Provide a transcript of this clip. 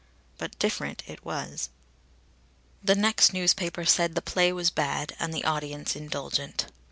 But different it was. The next newspaper said the play was bad and the audience indulgent.